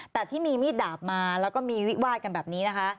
แต่ที่มีมีดดาบมาแล้วก็มีวิวาดกันแบบนี้นะคะ